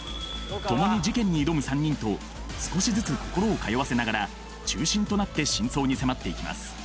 共に事件に挑む３人と少しずつ心を通わせながら中心となって真相に迫っていきます